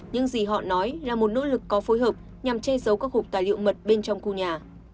những gì họ nói là một nỗ lực có phối hợp nhằm che giấu các hộp tài liệu mật bên trong khu nhà